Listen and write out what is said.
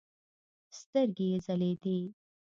سترګې يې ځلېدې.